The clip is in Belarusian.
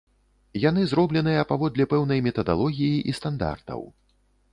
Яны зробленыя паводле пэўнай метадалогіі і стандартаў.